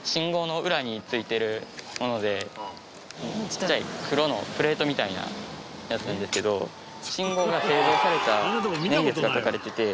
ちっちゃい黒のプレートみたいなやつなんですけど信号が製造された年月が書かれてて。